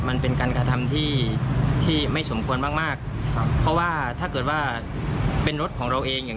มันเป็นการกระทำที่ที่ไม่สมควรมากมากครับเพราะว่าถ้าเกิดว่าเป็นรถของเราเองอย่าง